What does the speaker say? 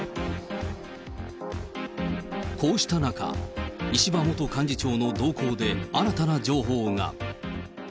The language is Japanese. こうした中、石破元幹事長の動向で新たな情報が。